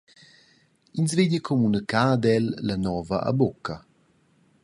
Ins vegli communicar ad el la nova a bucca.